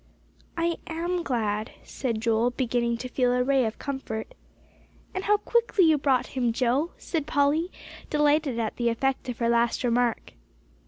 "I am glad," said Joel, beginning to feel a ray of comfort. "And how quickly you brought him, Joe!" said Polly, delighted at the effect of her last remark.